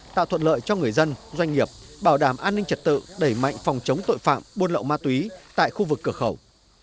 tạo thuận lợi cho người dân doanh nghiệp bảo đảm an ninh trật tự đẩy mạnh phòng chống tội phạm buôn lậu ma túy tại khu vực cửa khẩu